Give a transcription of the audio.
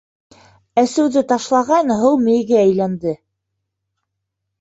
Әсеүҙе ташлағайны, һыу мейегә әйләнде.